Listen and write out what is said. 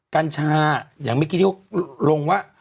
กัญชาอย่างเมื่อกี้ที่เขาลงว่า